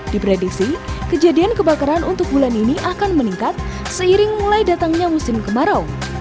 diprediksi kejadian kebakaran untuk bulan ini akan meningkat seiring mulai datangnya musim kemarau